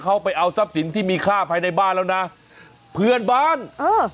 เขาไปเอาทรัพย์สินที่มีค่าภายในบ้านแล้วนะเพื่อนบ้านเออ